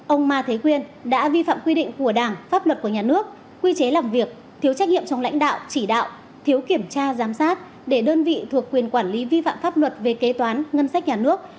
ông ma thế quyên đã vi phạm quy định của đảng pháp luật của nhà nước quy chế làm việc thiếu trách nhiệm trong lãnh đạo chỉ đạo thiếu kiểm tra giám sát để đơn vị thuộc quyền quản lý vi phạm pháp luật về kế toán ngân sách nhà nước